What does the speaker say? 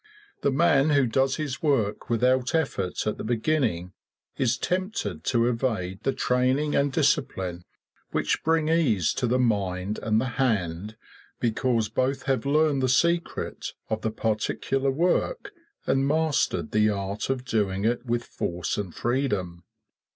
The man who does his work without effort at the beginning is tempted to evade the training and discipline which bring ease to the mind and the hand because both have learned the secret of the particular work and mastered the art of doing it with force and freedom.